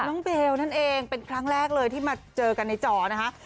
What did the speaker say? เบลนั่นเองเป็นครั้งแรกเลยที่มาเจอกันในจอนะคะ